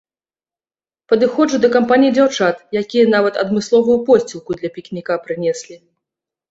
Падыходжу да кампаніі дзяўчат, якія нават адмысловую посцілку для пікніка прынеслі.